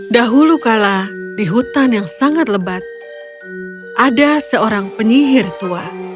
dahulu kala di hutan yang sangat lebat ada seorang penyihir tua